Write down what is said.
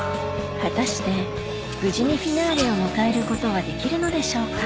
果たして無事にフィナーレを迎えることはできるのでしょうか？